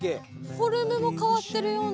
フォルムも変わってるような。